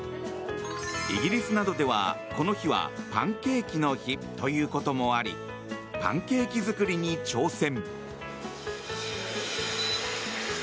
イギリスなどでは、この日はパンケーキの日ということもありパンケーキ作りに挑戦。